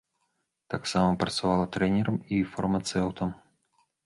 Таксама працавала трэнерам і фармацэўтам.